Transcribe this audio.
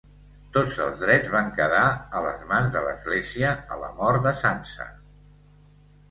Tots els drets van quedar a les mans de l'església a la mort de Sança.